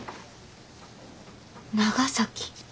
長崎。